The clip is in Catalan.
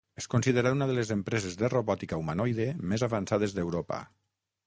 És considerada una de les empreses de robòtica humanoide més avançades d'Europa.